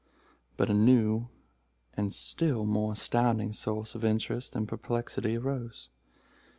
But a new and still more astounding source of interest and perplexity arose.